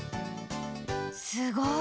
すごい！